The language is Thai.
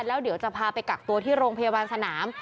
แล้วเดี๋ยวจะพาไปกักตัวที่โรงพยาบาลสนาม